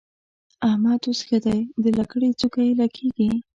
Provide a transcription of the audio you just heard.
احمد اوس ښه دی؛ د لکړې څوکه يې لګېږي.